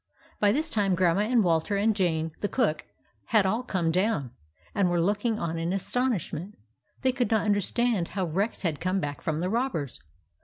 By this time Grandma and Walter and Jane, the cook, had all come down, and were looking on in astonishment. They could not understand how Rex had come back from the robbers.